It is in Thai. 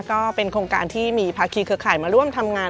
ก็เป็นโครงการที่มีภาคีเครือข่ายมาร่วมทำงาน